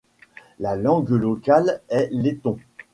La langue locale est l’Eton.